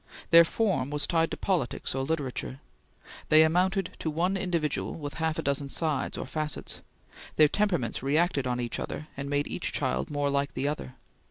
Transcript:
Their form was tied to politics or literature. They amounted to one individual with half a dozen sides or facets; their temperaments reacted on each other and made each child more like the other.